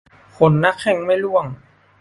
ขนหน้าแข้งไม่ร่วง